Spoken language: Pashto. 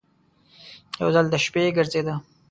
یو ځل د شپې ګرځېده.